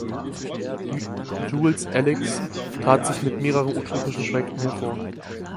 Jules Allix tat sich mit mehreren utopischen Projekten hervor.